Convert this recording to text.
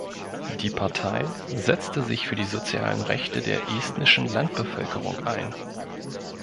Die Partei setzte sich für die sozialen Rechte der estnischen Landbevölkerung ein.